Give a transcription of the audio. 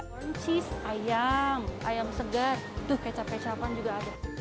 crunches ayam ayam segar tuh kecap kecapan juga ada